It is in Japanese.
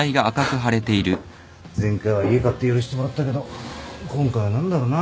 前回は家買って許してもらったけど今回は何だろうな。